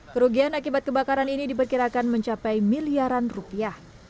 kerugian akibat kebakaran ini diperkirakan mencapai miliaran rupiah